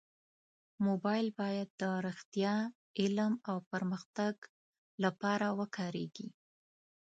موبایل باید د رښتیا، علم او پرمختګ لپاره وکارېږي.